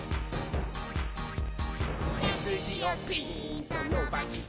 「せすじをピーンとのばして」